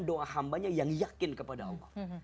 doa hambanya yang yakin kepada allah